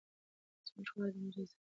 زموږ خاوره زموږ عزت دی.